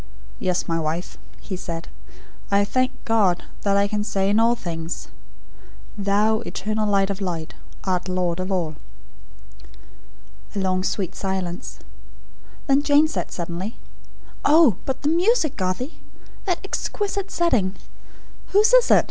"Yes, my wife," he said. "I thank God, that I can say in all things: 'Thou, Eternal Light of Light, art Lord of All.'" A long sweet silence. Then Jane said, suddenly: "Oh, but the music, Garthie! That exquisite setting. Whose is it?